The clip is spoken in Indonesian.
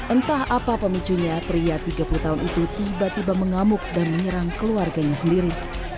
entah apa pemicunya pria tiga puluh tahun itu tiba tiba mengamuk dan menyerang keluarganya sendiri